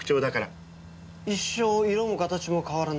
一生色も形も変わらない。